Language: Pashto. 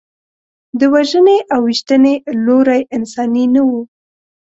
د وژنې او ویشتنې لوری انساني نه و.